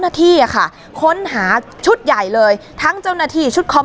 แล้วก็ไปซ่อนไว้ในคานหลังคาของโรงรถอีกทีนึง